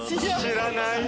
知らない。